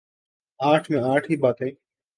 آٹھ منہ آٹھ ہی باتیں ۔